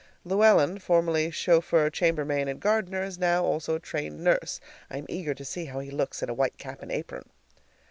Luellen, formerly chauffeur, chambermaid, and gardener, is now also trained nurse. I am eager to see how he looks in a white cap and apron.